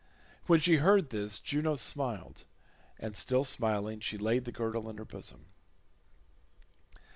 When she heard this Juno smiled, and still smiling she laid the girdle in her bosom.